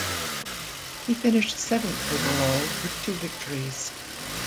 He finished seventh overall, with two victories.